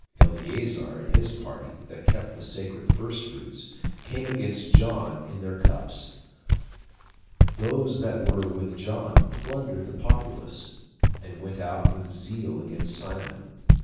Eleazar and his party, that kept the sacred first fruits, came against John in their cups. Those that were with John plundered the populace, and went out with zeal against Simon.